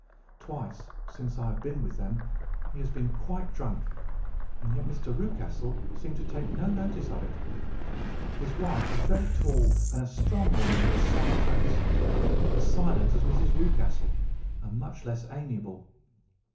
Twice since I have been with them he has been quite drunk, and yet Mr. Rucastle seemed to take no notice of it. His wife is a very tall and strong woman with a sour face, as silent as Mrs. Rucastle and much less amiable.